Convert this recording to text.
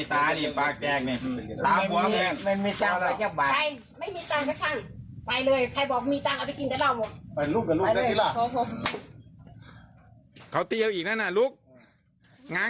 ไปหนึ่งบาทแล้วพอจะไปนอนกับใครอีกหนึ่ง